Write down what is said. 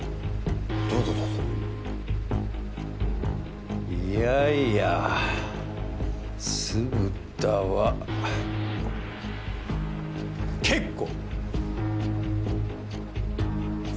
どうぞどうぞいやいや酢豚は結構！